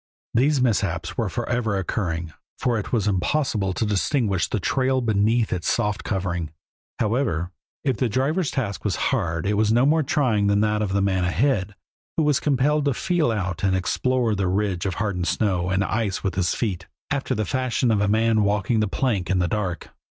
These mishaps were forever occurring, for it was impossible to distinguish the trail beneath its soft covering. However, if the driver's task was hard it was no more trying than that of the man ahead, who was compelled to feel out and explore the ridge of hardened snow and ice with his feet, after the fashion of a man walking a plank in the dark.